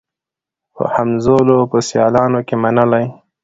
په همزولو په سیالانو کي منلې